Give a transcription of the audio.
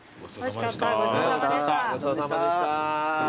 ごちそうさまでした。